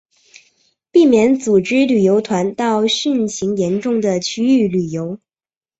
避免组织旅游团到汛情严重的区域旅游